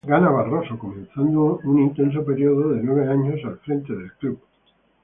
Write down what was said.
Gana Barroso, comenzando un intenso período de nueve años al frente del club.